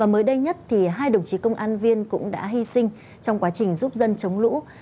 mới đây nhất hai đồng chí công an viên cũng đã hy sinh trong quá trình giúp dân chống lũ